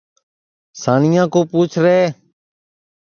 سانیا کُا پُوچھ رے